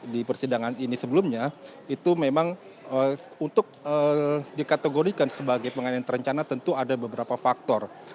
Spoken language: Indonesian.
di persidangan ini sebelumnya itu memang untuk dikategorikan sebagai penganiayaan terencana tentu ada beberapa faktor